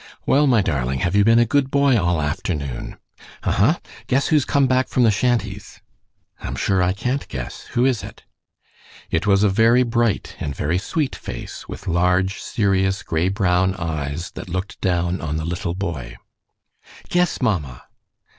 "Well, my darling! have you been a good boy all afternoon?" "Huh huh! Guess who's come back from the shanties!" "I'm sure I can't guess. Who is it?" It was a very bright and very sweet face, with large, serious, gray brown eyes that looked down on the little boy. "Guess, mamma!"